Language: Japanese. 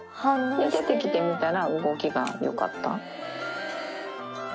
出てきてみたら、動きがよかった。